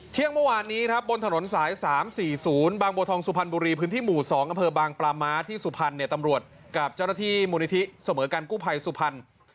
เมื่อวานนี้ครับบนถนนสาย๓๔๐บางบัวทองสุพรรณบุรีพื้นที่หมู่๒อำเภอบางปลาม้าที่สุพรรณเนี่ยตำรวจกับเจ้าหน้าที่มูลนิธิเสมอกันกู้ภัยสุพรรณ